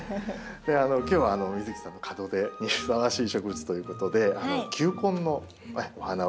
今日は美月さんの門出にふさわしい植物ということで球根のお花を用意しました。